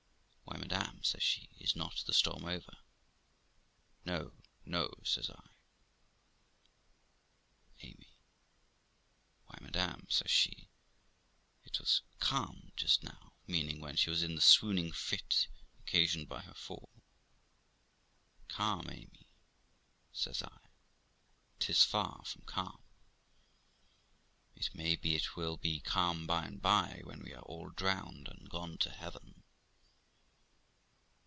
' Why, madam ', says she, ' is not the storm over ?'' No, no ', says I, 'Amy.' 'Why, madam', says she, 'it was calm just now' (meaning when she was in the swooning fit occasioned by her fall). 'Calm, Amy!' says I. 'Tis far from calm. It may be it will be calm by and by, when we are all drowned and gone to heaven.'